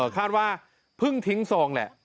คาดว่าเพิ่งทิ้งซองแหละ